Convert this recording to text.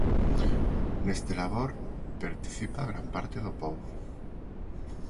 Neste labor participa gran parte do pobo.